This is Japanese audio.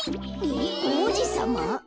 えっおうじさま？